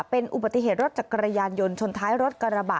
เป็นอุบัติเหตุรถจักรยานยนต์ชนท้ายรถกระบะ